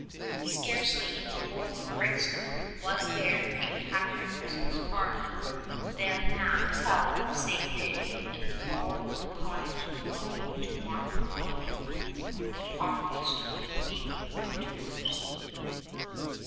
Scarcely in the whole of Christendom was there a hap pier Christmas party than that held the same day in the poor little cottage belonging to Martin's father, the poverty stricken weaver of Tours.